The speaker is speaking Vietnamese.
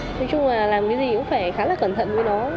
nói chung là làm cái gì cũng phải khá là cẩn thận với nó